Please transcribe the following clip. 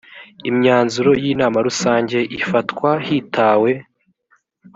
imyanzuro y inama rusange ifatwa hatitawe